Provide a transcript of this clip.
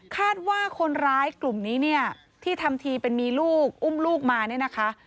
คาดว่าคนร้ายกลุ่มนี้เนี่ยที่ทำทีเป็นมีลูกอุ้มลูกมาเนี่ยนะคะ